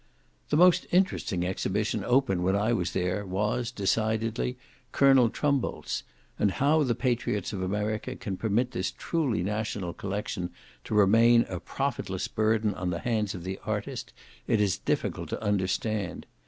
The most interesting exhibition open when I was there was, decidedly, Colonel Trumbold's; and how the patriots of America can permit this truly national collection to remain a profitless burden on the hands of the artist, it is difficult to understand.